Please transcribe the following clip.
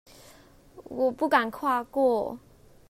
我不敢跨過